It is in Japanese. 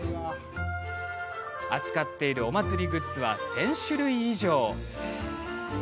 扱っているお祭りグッズは１０００種類以上。